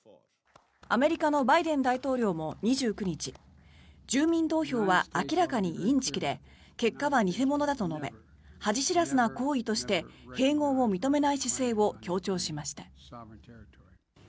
アメリカのバイデン大統領も２９日住民投票は明らかにインチキで結果は偽物だと述べ恥知らずな行為として併合を認めない姿勢を強調しました。